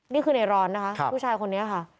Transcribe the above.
นี่คือในร้อนนะคะผู้ชายคนนี้ค่ะ